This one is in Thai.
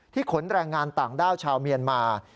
ขนแรงงานต่างด้าวชาวเมียนมา